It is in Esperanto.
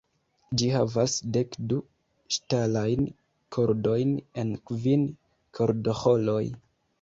Ĝi havas dekdu ŝtalajn kordojn en kvin kordoĥoroj.